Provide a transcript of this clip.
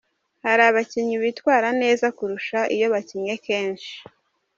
Hari abakinyi bitwara neza kurusha iyo bakinye kenshi.